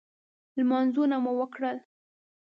لمنځونه مو وکړل.